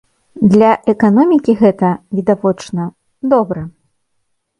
Для эканомікі гэта, відавочна, добра.